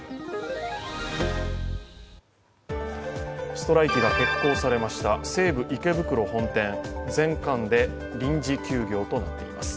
ストライキが結構されました、西武池袋本店、全館で臨時休業となっています。